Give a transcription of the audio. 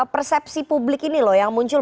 persepsi publik ini loh yang muncul